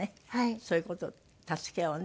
そういう事助けをね